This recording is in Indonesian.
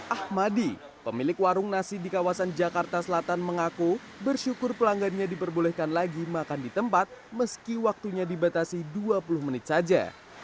ahmadi pemilik warung nasi di kawasan jakarta selatan mengaku bersyukur pelanggannya diperbolehkan lagi makan di tempat meski waktunya dibatasi dua puluh menit saja